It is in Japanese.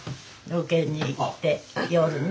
ロケに行って夜ね。